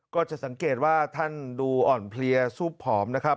ก็จะสังเกตว่าท่านดูอ่อนเพลียซูบผอมนะครับ